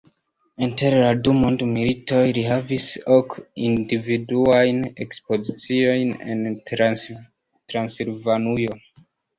Inter la du mondmilitoj li havis ok individuajn ekspoziciojn en Transilvanujo.